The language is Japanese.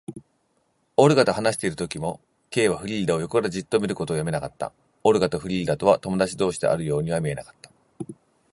オルガと話しているときにも、Ｋ はフリーダを横からじっと見ることをやめなかった。オルガとフリーダとは友だち同士であるようには見えなかった。